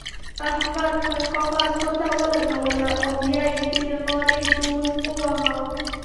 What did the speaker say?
احمد پر کاغذ ګوته ولګوله او بيا يې د نغارې ډوهل وواهه.